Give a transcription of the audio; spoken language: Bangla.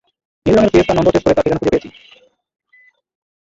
নীল রঙ্গের ফিয়েস্তার নম্বর ট্রেস করে, তার ঠিকানা খুঁজে পেয়েছি।